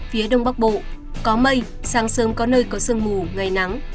phía đông bắc bộ có mây sáng sớm có nơi có sương mù ngày nắng